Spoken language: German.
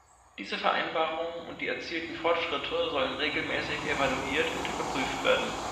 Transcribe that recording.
Diese Vereinbarungen und die erzielten Fortschritte sollen regelmäßig evaluiert und überprüft werden.